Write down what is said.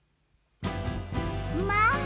まあ。